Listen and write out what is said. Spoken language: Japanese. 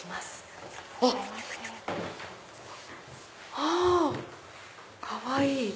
あかわいい！